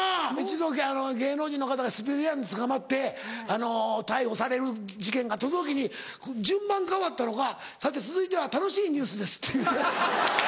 一度芸能人の方がスピード違反で捕まって逮捕される事件があった時に順番変わったのか「さて続いては楽しいニュースです」って言うて。